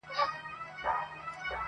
چي ته مه ژاړه پیسې مو دربخښلي.!